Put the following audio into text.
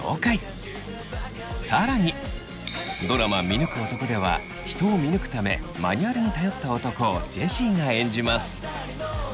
「見抜く男」では人を見抜くためマニュアルに頼った男をジェシーが演じます。